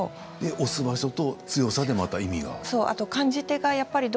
押す場所と強さでまた意味が？